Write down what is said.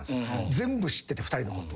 全部知ってて２人のこと。